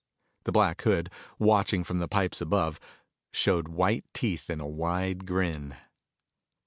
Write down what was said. The Black Hood, watching from the pipes above, showed white teeth in a wide grin.